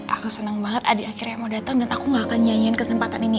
aku seneng banget adi akhirnya mau datang dan aku gak akan nyanyikan kesempatan ini